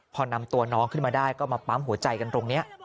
พอนำตัวน้องขึ้นมาได้ก็มาปั๊มหัวใจกันตรงนี้